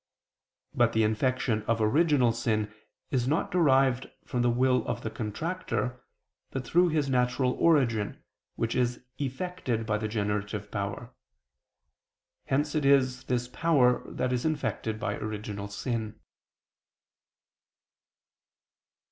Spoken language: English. But the infection of original sin is not derived from the will of the contractor, but through his natural origin, which is effected by the generative power. Hence it is this power that is infected by original sin.